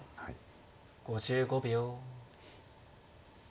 ５５秒。